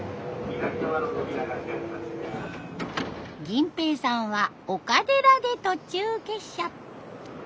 銀瓶さんは岡寺で途中下車。